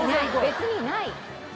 別にない。